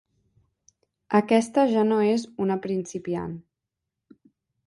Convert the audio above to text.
Aquesta ja no és una principiant.